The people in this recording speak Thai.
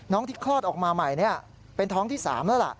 ที่คลอดออกมาใหม่เป็นท้องที่๓แล้วล่ะ